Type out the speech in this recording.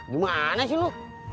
gimana sih lu